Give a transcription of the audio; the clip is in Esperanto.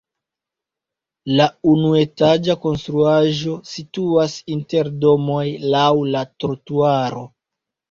La unuetaĝa konstruaĵo situas inter domoj laŭ la trotuaro.